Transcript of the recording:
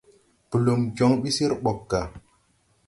Blum jɔŋ ɓi sír ɓɔg gà.